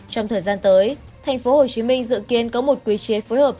trong thời gian tới tp hcm dự kiến có một quy chế phối hợp